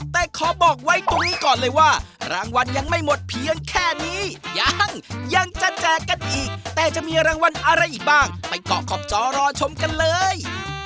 แต่ขอบอกไว้ตรงนี้ก่อนเลยว่ารางวัลยังไม่หมดเพียงแค่นี้ยังยังจะแจกกันอีกแต่จะมีรางวัลอะไรอีกบ้างไปเกาะขอบจอรอชมกันเลย